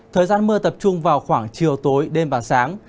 thời gian mưa tập trung vào khoảng chiều tối đêm và sáng